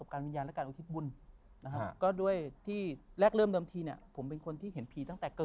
ว่าอันไหนผีอันไหนคนตอนนั้นเป็นเด็ก